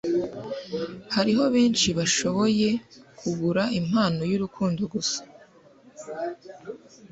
hariho benshi bashoboye kugura impano yurukundo gusa